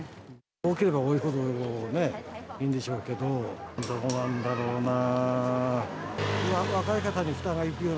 多ければ多いほどいいんでしょうけど、どうなんだろうな。